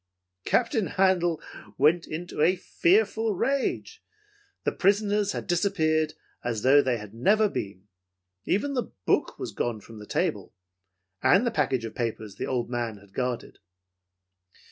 "Captain Handel went into a fearful rage. The prisoners had disappeared as though they had never been. Even the book was gone from the table, and the package of papers the old man had guarded.